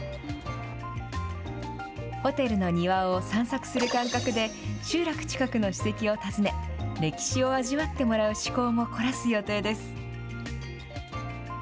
ホテルの庭を散策する感覚で集落近くの史跡を訪ね歴史を味わってもらう趣向も凝らす予定です。